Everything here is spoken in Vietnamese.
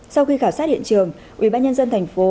sau khi khảo sát hiện trường ubnd tp